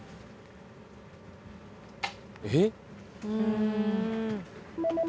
「えっ？」